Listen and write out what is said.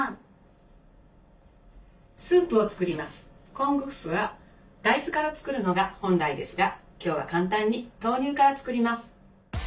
コングクスは大豆から作るのが本来ですが今日は簡単に豆乳から作ります。